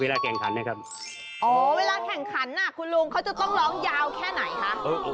อ๋อเวลาแข่งขันคุณลุงเขาจะต้องร้องยาวแค่ไหนคะ